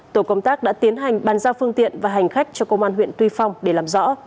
tổ công tác đã tiến hành bàn giao phương tiện và hành khách cho công an huyện tuy phong để làm rõ